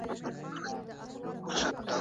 سازمانونه د فردي حقونو په اړه څه وایي؟